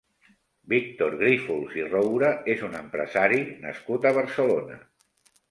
Víctor Grífols i Roura és un empresari nascut a Barcelona.